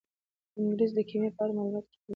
انګریز د کیمیا په اړه معلومات ورکوي.